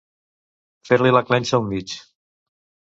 Fer-li la clenxa al mig.